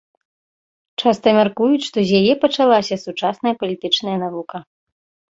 Часта мяркуюць, што з яе пачалася сучасная палітычная навука.